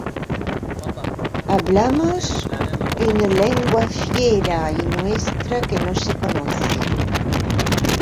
Hablamos une lengua fiera y nuestra que no se conoce.